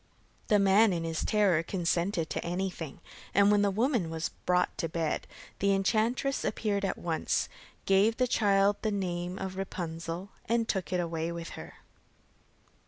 The man in his terror consented to everything, and when the woman was brought to bed, the enchantress appeared at once, gave the child the name of Rapunzel, and took it away with her.